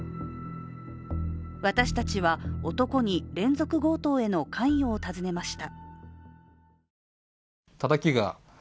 私たちは男に連続強盗への関与を尋ねました。